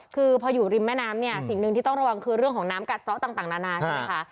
คือพออยู่ริมแม่น้ำเนี่ยสิ่งหนึ่งที่ต้องระวังคือเรื่องของน้ำกัดซ้อต่างนานาใช่ไหมคะ